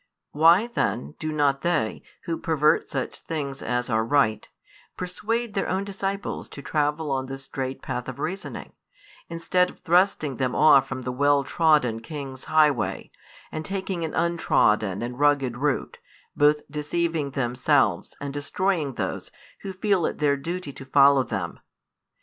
Why then do not they, who pervert such things as are right, persuade their own disciples to travel on the straight path of reasoning, instead of thrusting them off from the well trodden king's highway, and taking an untrodden and rugged route, both deceiving themselves and destroying those who feel it their duty to follow them?